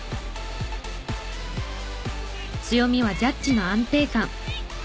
強みはジャッジの安定感。